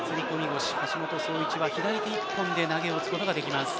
腰を橋本壮市は左手一本で投げを打つことができます。